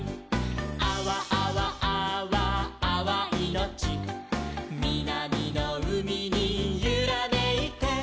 「あわあわあわあわいのち」「みなみのうみにゆらめいて」